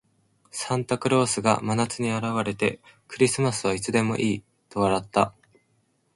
サンタクロースが真夏に現れて、「クリスマスはいつでもいい」と笑った。